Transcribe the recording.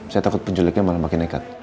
saya takut penculiknya malah makin nekat